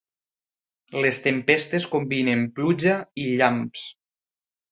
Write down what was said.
Les tempestes combinen pluja i llamps.